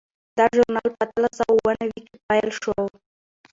دا ژورنال په اتلس سوه اووه نوي کې پیل شو.